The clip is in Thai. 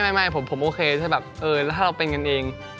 ไม่ผมโอเคจะแบบครับถ้าเราเป็นกันเอง